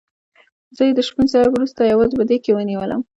زه یې د شپون صاحب وروسته یوازې په ده کې وینم.